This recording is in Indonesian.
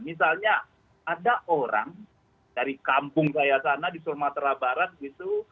misalnya ada orang dari kampung saya sana di sumatera barat gitu